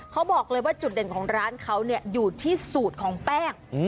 เขาบอกเลยว่าจุดเด่นของร้านเขาอยู่ที่สูตรของแป้ง